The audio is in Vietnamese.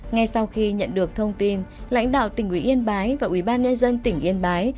ngay sau khi nhận được thông tin lãnh đạo tỉnh ủy yên bái và ubnd tỉnh yên bái